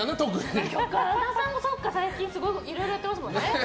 神田さんもそうか最近いろいろやってますもんね。